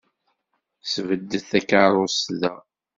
Sbeddet takeṛṛust da!